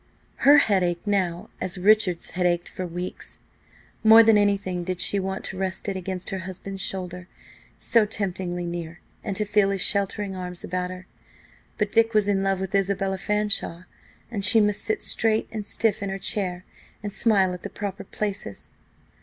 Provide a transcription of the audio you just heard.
Her head ached now as Richard's had ached for weeks. More than anything did she want to rest it against her husband's shoulder, so temptingly near, and to feel his sheltering arms about her. But Dick was in love with Isabella Fanshawe, and she must sit straight and stiff in her chair and smile at the proper places.